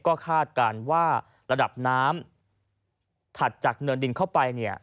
ก็คาดการณ์ว่าระดับน้ำถัดจากเนินดินเข้าไปเนี่ย